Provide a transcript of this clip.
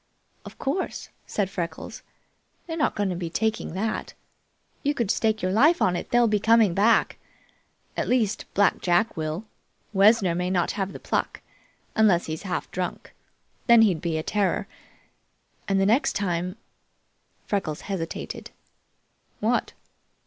"Of course!" said Freckles. "They're not going to be taking that. You could stake your life on it, they'll be coming back. At least, Black Jack will. Wessner may not have the pluck, unless he is half drunk. Then he'd be a terror. And the next time " Freckles hesitated. "What?"